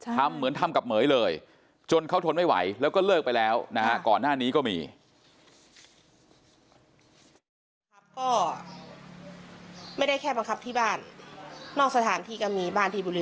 ทำเหมือนทำกับเหม๋ยเลยจนเขาทนไม่ไหวแล้วก็เลิกไปแล้วนะครับ